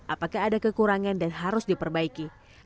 apakah ada kekurangan dan harus diperbaiki